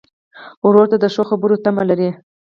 ورور ته د ښو خبرو تمه لرې.